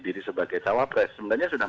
diri sebagai cawapres sebenarnya sudah